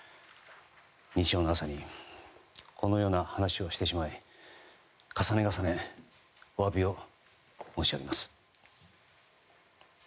日曜の朝にこのような話をしてしまい重ね重ねお詫びを申し上げます。